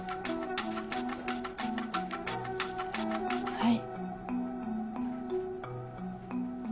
はい。